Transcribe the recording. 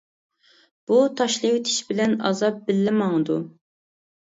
بۇ تاشلىۋېتىش بىلەن ئازاب بىللە ماڭىدۇ.